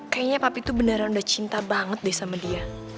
kayaknya papa itu beneran udah cinta banget deh sama dia